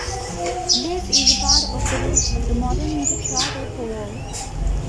This is a part of the roots of the modern intertribal powwow.